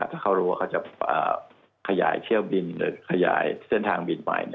ถ้าเขารู้ว่าเขาจะขยายเที่ยวบินหรือขยายเส้นทางบินใหม่